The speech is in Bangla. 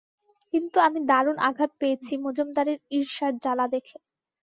কিন্তু আমি দারুণ আঘাত পেয়েছি মজুমদারের ঈর্ষার জ্বালা দেখে।